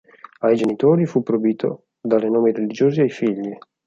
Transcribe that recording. Ai genitori fu proibito dare nomi religiosi ai figli.